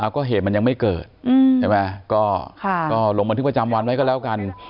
ก็เหตุมันยังไม่เกิดใช่ไหมก็ลงบันทึกประจำวันไว้ก็แล้วกัน